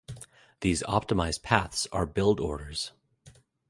These optimized paths are build orders.